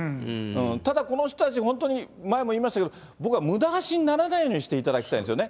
ただ、この人たち、本当に、前も言いましたけれども、僕はむだ足にならないようにしていただきたいんですよね。